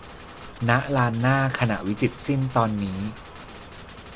"ณ ลานหน้า ขณะวิจิตรสิ้น ตอนนี้"